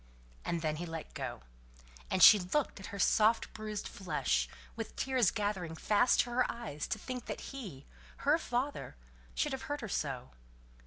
And then he let go; and she looked at her soft bruised flesh, with tears gathering fast to her eyes to think that he, her father, should have hurt her so.